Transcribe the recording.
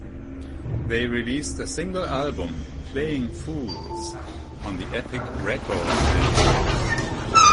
They released a single album, "Playing' Foolz" on the Epic Records label.